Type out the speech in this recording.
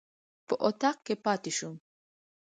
په اطاق کې پاتې شوم.